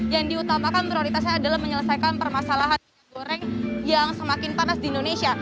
yang diutamakan prioritasnya adalah menyelesaikan permasalahan minyak goreng yang semakin panas di indonesia